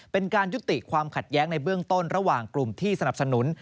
เป็นการยุติความขัดแย้งในเบื้องต้นระหว่างกลุ่มที่สนับสนุน